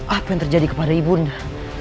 apa yang terjadi kepada ibu nda